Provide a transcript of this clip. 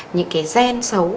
những cái gen xấu